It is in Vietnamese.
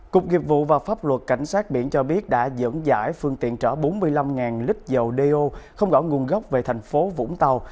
cục nghiệp vụ và pháp luật cảnh sát biển cho biết đã dẫn giải phương tiện trở bốn mươi năm lít dầu đeo không rõ nguồn gốc về thành phố vũng tàu